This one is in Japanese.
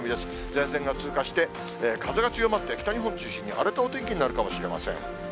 前線が通過して、風が強まって、北日本を中心に荒れたお天気になるかもしれません。